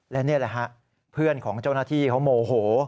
และนี่แหละฮะเพื่อนของเจ้าหน้าที่เขาโมโห